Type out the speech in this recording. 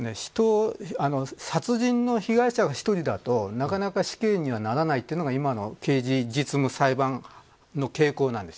殺人の被害者が１人だとなかなか死刑にはならないというのが今の刑事実務裁判の傾向なんです。